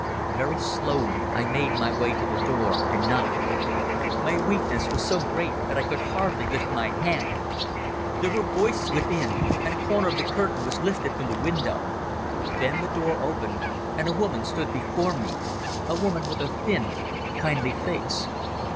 Very slowly I made my way to the door and knocked. My weakness was so great that I could hardly lift my hand. There were voices within, and a corner of the curtain was lifted from the window. Then the door opened and a woman stood before me, a woman with a thin, kindly face.